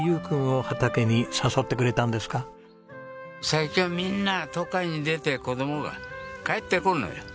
最近はみんな都会に出て子供が帰ってこんのよ。